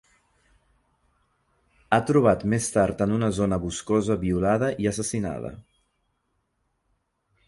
Ha trobat més tard en una zona boscosa, violada i assassinada.